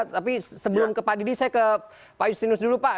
tapi sebelum ke pak didi saya ke pak justinus dulu pak